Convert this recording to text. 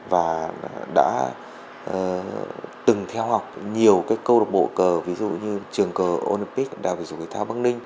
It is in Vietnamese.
và đã từng theo học nhiều câu lạc bộ cờ ví dụ như trường cờ olympic đào vĩ dụ thao bắc ninh